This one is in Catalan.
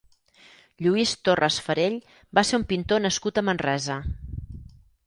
Lluís Torras-Farell va ser un pintor nascut a Manresa.